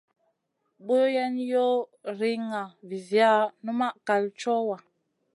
Boyen yoh riŋa viziya, numaʼ kal cowa.